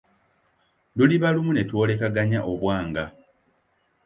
Luliba lumu ne twolekaganya obwanga.